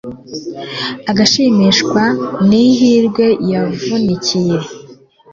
agashimishwa n'ihirwe yavunikiye